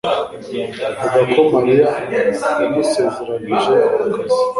avuga ko Mariya yamusezeranije ako kazi.